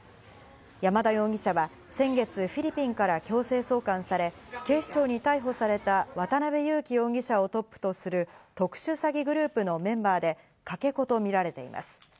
山田容疑者は先月、フィリピンから強制送還され、警視庁に逮捕された、渡辺優樹容疑者をトップとする特殊詐欺グループのメンバーで、かけ子とみられています。